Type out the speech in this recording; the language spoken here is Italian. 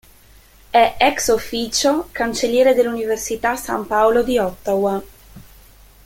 È "ex officio" cancelliere dell'Università San Paolo di Ottawa.